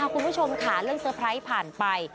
คุณผู้ชมค่ะเรื่องเตอร์ไพรส์ผ่านไป